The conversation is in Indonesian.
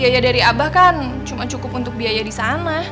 ya mbah kan cuma cukup untuk biaya di sana